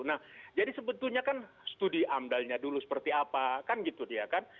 nah jadi sebetulnya kan studi amdalnya dulu seperti apa kan gitu dia kan